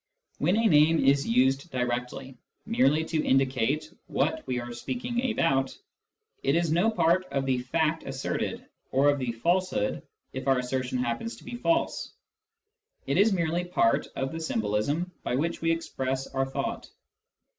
When a name is used directly, merely to indicate what we are speaking about, it is no part of the/act asserted, or of the falsehood if our assertion happens to be false : it is merely part of the symbolism by which we express our thought.